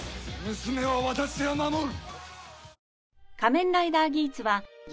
娘は私が守る！